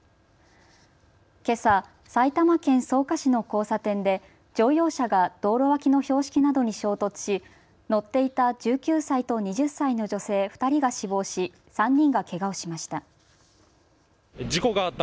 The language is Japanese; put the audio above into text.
けさ埼玉県草加市の交差点で乗用車が道路脇の標識などに衝突し、乗っていた１９歳と２０歳の女性２人が死亡し、３人がけがをしました。